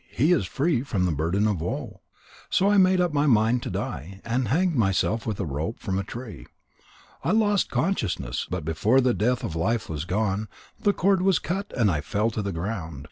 He is free from the burden of woe.' So I made up my mind to die, and hanged myself with a rope from a tree. I lost consciousness, but before the breath of life was gone, the cord was cut and I fell to the ground.